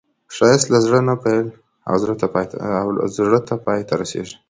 ښایست له زړه نه پیل او زړه ته پای ته رسېږي